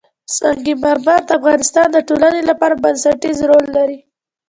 سنگ مرمر د افغانستان د ټولنې لپاره بنسټيز رول لري.